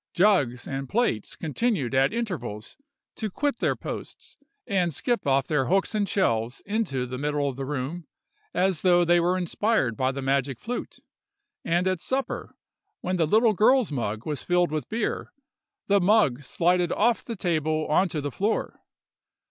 Jugs and plates continued at intervals to quit their posts, and skip off their hooks and shelves into the middle of the room, as though they were inspired by the magic flute, and at supper, when the little girl's mug was filled with beer, the mug slided off the table on to the floor.